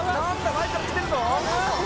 前から来てるぞ！